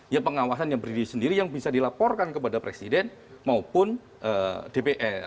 ya pengawasan yang berdiri sendiri yang bisa dilaporkan kepada presiden maupun dpr